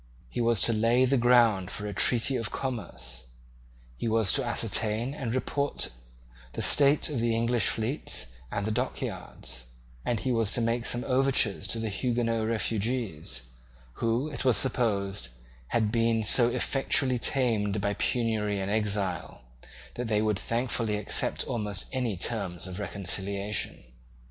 He was to lay the ground for a treaty of commerce; he was to ascertain and report the state of the English fleets and dockyards; and he was to make some overtures to the Huguenot refugees, who, it was supposed, had been so effectually tamed by penury and exile, that they would thankfully accept almost any terms of reconciliation.